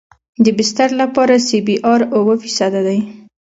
د بستر لپاره سی بي ار اوه فیصده دی